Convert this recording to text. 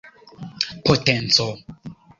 potenco